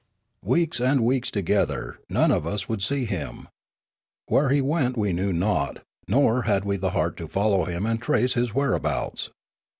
Weeks and weeks together none of us would see him. Where he went we knew not, nor had we the heart to follow him and trace his whereabouts.